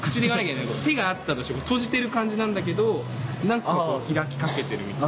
手があったとして閉じてる感じなんだけどなんか開きかけてるみたい。